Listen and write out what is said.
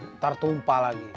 ntar tumpah lagi